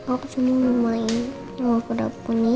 aku cuma mau main kuda poni